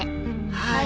はい。